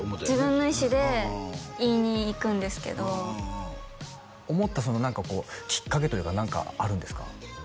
自分の意志で言いに行くんですけどうんうんうん思ったその何かこうきっかけというか何かあるんですか？